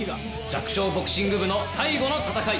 弱小ボクシング部の最後の戦い。